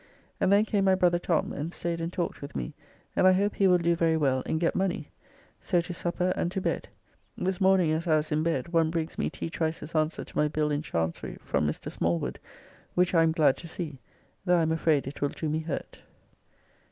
And then came my brother Tom, and staid and talked with me, and I hope he will do very well and get money. So to supper and to bed. This morning as I was in bed, one brings me T. Trice's answer to my bill in chancery from Mr. Smallwood, which I am glad to see, though I am afraid it will do me hurt.